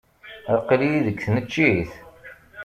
Aql-iyi deg tneččit.